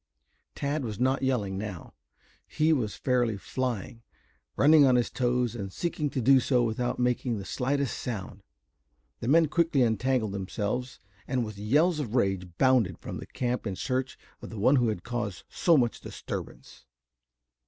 Tad was not yelling now. He was fairly flying, running on his toes and seeking to do so without making the slightest sound. The men quickly untangled themselves and with yells of rage bounded from their camp in search of the one who had caused so much disturbance.